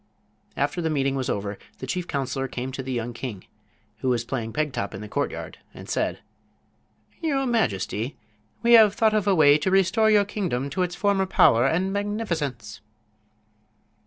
After the meeting was over the chief counselor came to the young king, who was playing peg top in the courtyard, and said: "Your majesty, we have thought of a way to restore your kingdom to its former power and magnificence."